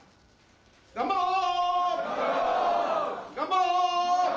頑張ろう。